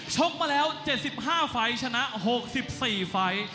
ชกมาแล้ว๗๕ฟัยชนะ๖๔ฟัย